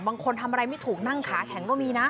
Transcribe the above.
บางคนทำอะไรไม่ถูกนั่งขาแข็งเรียงก็มีนะ